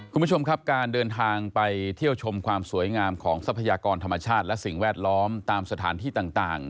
คุณผู้ชมครับการเดินทางไปเที่ยวชมความสวยงามของทรัพยากรธรรมชาติและสิ่งแวดล้อมตามสถานที่ต่าง